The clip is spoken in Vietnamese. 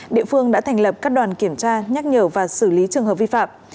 địa phương đã thành lập các đoàn kiểm tra nhắc nhở và xử lý trường hợp vi phạm